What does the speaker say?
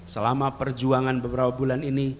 selama perjuangan beberapa bulan ini